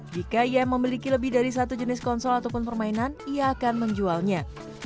jika ia memiliki lebih dari satu jenis konsol ataupun permainan ia akan menjualnya